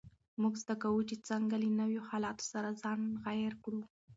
موږ زده کوو چې څنګه له نویو حالاتو سره ځان عیار کړو.